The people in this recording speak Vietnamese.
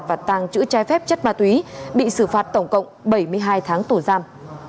và tàng chữ trai phép chất ma túy bị xử phạt tổng cộng bảy mươi hai tháng tổ giam